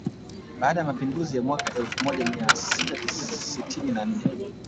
Baada ya mapinduzi ya mwaka elfu moja mia tisa sitini na nne